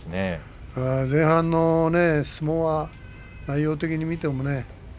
前半の相撲は内容的に見てもね